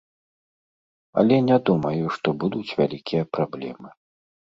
Але не думаю, што будуць вялікія праблемы.